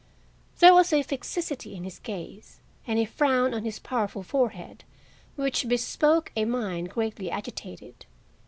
There was a fixity in his gaze and a frown on his powerful forehead which bespoke a mind greatly agitated.